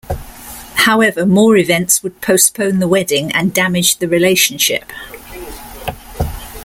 However, more events would postpone the wedding and damage the relationship.